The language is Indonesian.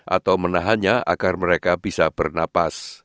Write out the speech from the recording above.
atau menahannya agar mereka bisa bernapas